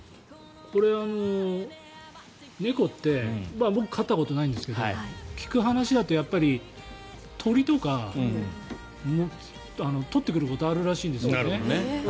これ、猫って僕、飼ったことないんですけど聞く話によると鳥とか取ってくることあるらしいんですよね。